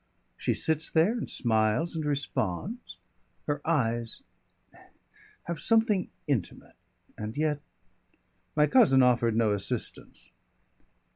She sits there and smiles and responds. Her eyes have something intimate. And yet " My cousin offered no assistance.